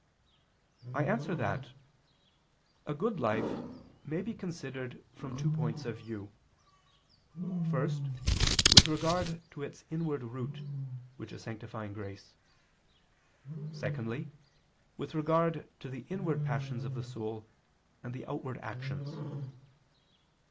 I answer that, A good life may be considered from two points of view. First, with regard to its inward root, which is sanctifying grace. Secondly, with regard to the inward passions of the soul and the outward actions.